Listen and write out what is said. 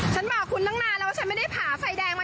ฉันบอกคุณตั้งนานแล้วว่าฉันไม่ได้ผ่าไฟแดงมา